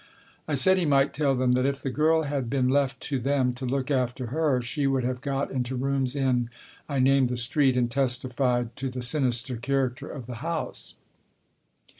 I said he might tell them that if the girl had been left to them to look after her, she would have got into rooms in I named the street, and testified to the sinister character of the house.